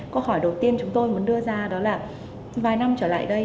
câu hỏi đầu tiên chúng tôi muốn đưa ra đó là vài năm trở lại đây